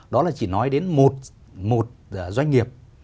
đó là chỉ nói đến một doanh nghiệp